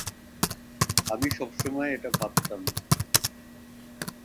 আমি সবসময় এটা ভাবতাম।